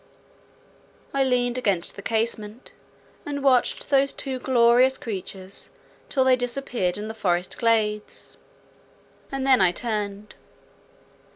I leaned against the casement, and watched those two glorious creatures, till they disappeared in the forest glades; and then I turned.